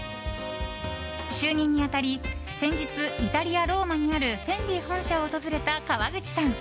就任に当たり先日、イタリア・ローマにあるフェンディ本社を訪れた川口さん。